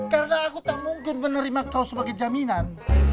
karena aku tak mungkul menerima kau sebagai jaminan